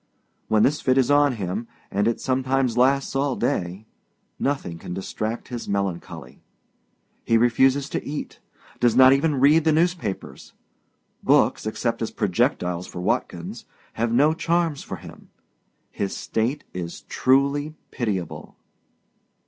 When this fit is on him and it sometimes lasts all day nothing can distract his melancholy. He refuses to eat, does not even read the newspapers; books, except as projectiles for Watkins, have no charms for him. His state is truly pitiable.